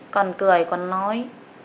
còn cười còn nói